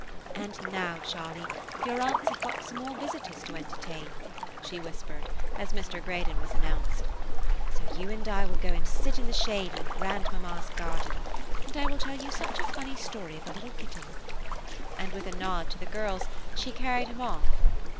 And now, Charlie, your aunts have got some more visitors to entertain," she whispered, as Mr. Greydon was announced, "so you and I will go and sit in the shade in grandmamma's garden, and I will tell you such a funny story of a little kitten," and with a nod to the girls she carried him off.